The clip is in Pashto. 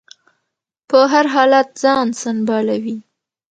په هر حالت ځان سنبالوي.